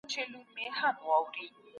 پاملرنه به په دوام وي.